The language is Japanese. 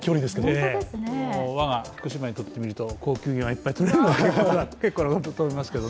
我が福島にとってみると高級魚がいっぱいとれるのは結構なことだと思います。